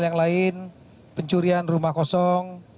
yang lain pencurian rumah kosong